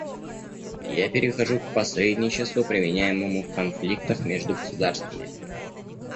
Я перехожу к посредничеству, применяемому в конфликтах между государствами.